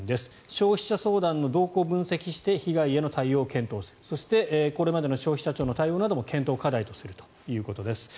消費者相談の動向を分析して被害への対応を検討するそして、これまでの消費者庁の対応なども検討課題とするということです。